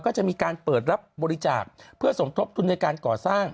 ก็จะมีการเปิดรับบริจาคเพื่อสมทบทุนในการก่อสร้าง